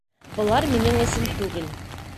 Былар минең өсөн түгел